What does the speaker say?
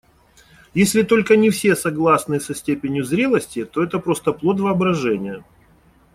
Если только не все согласны со степенью зрелости, то это просто плод воображения.